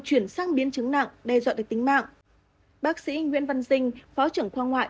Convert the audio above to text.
chuyển sang biến chứng nặng đe dọa tới tính mạng bác sĩ nguyễn văn dinh phó trưởng khoa ngoại